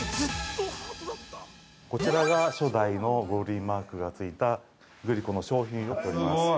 ◆こちらが、初代のゴールインマークがついたグリコの商品になっております。